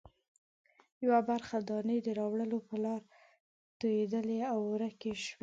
یوه برخه دانې د راوړلو په لاره توېدلې او ورکې شوې.